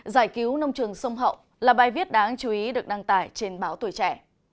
giải cứu nông trường sông hậu là bài viết đáng chú ý được đăng tải trên báo tuổi trẻ